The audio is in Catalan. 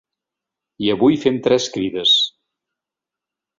I avui fem tres crides.